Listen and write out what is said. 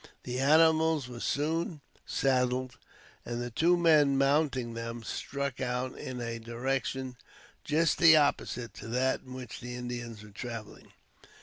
The animals were soon saddled, and the two men mounting them, struck out in a direction just the opposite to that in which the Indians were traveling.